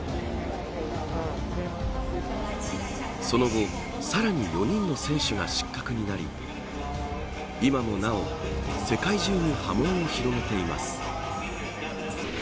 その後，さらに４人の選手が失格になり今もなお世界中に波紋を広げています。